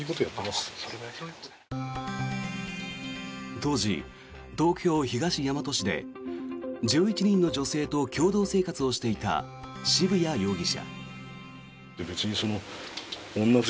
当時、東京・東大和市で１１人の女性と共同生活をしていた渋谷容疑者。